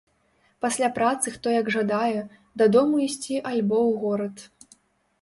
Пасля працы хто як жадае, дадому ісці альбо ў горад.